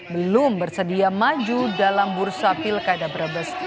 belum bersedia maju dalam bursa pilkada brebes